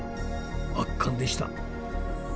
圧巻でした！